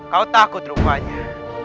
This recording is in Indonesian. kau takut rupanya